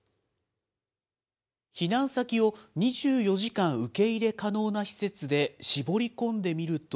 避難先を２４時間受け入れ可能な施設で絞り込んでみると。